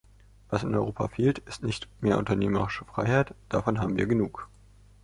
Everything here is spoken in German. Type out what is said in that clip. Was in Europa fehlt, ist nicht mehr unternehmerische Freiheit, davon haben wir genug.